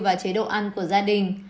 và chế độ ăn của gia đình